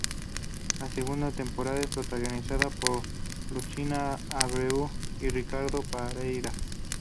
La segunda temporada es protagonizada por Luciana Abreu y Ricardo Pereira.